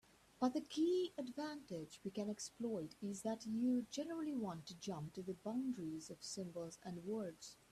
But the key advantage we can exploit is that you generally want to jump to the boundaries of symbols and words.